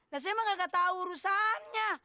nah saya mah kagak tahu urusannya